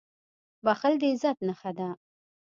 • بښل د عزت نښه ده.